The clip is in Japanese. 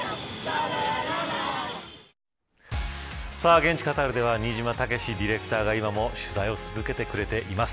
現地カタールでは新島健ディレクターが今も取材を続けてくれています。